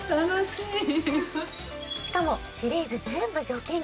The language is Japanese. しかもシリーズ全部除菌機能付き。